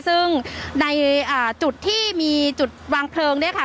ซึ่งในจุดที่มีจุดวางเพลิงเนี่ยค่ะ